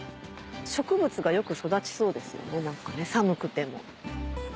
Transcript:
植物がよく育ちそうですよね寒くても。